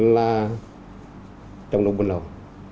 là trồng đồng bình lập